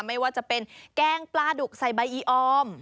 ไม่ว่าจะเป็นแกงปลาดุกไซบายออม